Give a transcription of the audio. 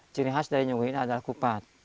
ciri khas dari nyuguh ini adalah kupat